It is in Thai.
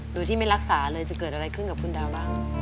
หรือที่ไม่รักษาเลยจะเกิดอะไรขึ้นกับคุณดาวน์แล้ว